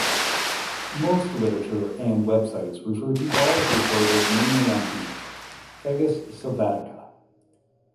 Most literature and websites refer to galls recorded mainly on beech ("Fagus sylvatica").